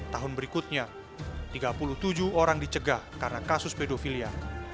tahun berikutnya tiga puluh tujuh orang dicegah karena kasus pedofilia